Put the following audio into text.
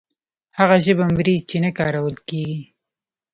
هغه ژبه مري چې نه کارول کیږي.